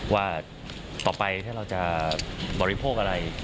ว่าต่อไปถ้าเราจะบริโภคอะไร